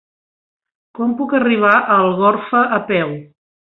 Com puc arribar a Algorfa a peu?